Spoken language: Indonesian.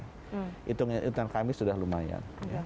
hitungan kami sudah lumayan